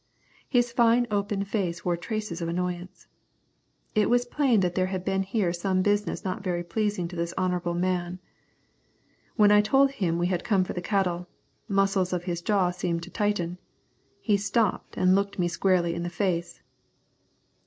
His fine open face wore traces of annoyance. It was plain that there had been here some business not very pleasing to this honourable man. When I told him we had come for the cattle, the muscles of his jaw seemed to tighten. He stopped and looked me squarely in the face.